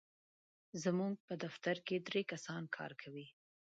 زموږ په دفتر کې درې کسان کار کوي.